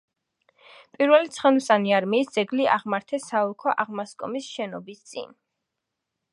პირველი ცხენოსანი არმიის ძეგლი აღმართეს საოლქო აღმასკომის შენობის წინ.